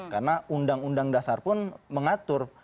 karena undang undang dasar pun mengatur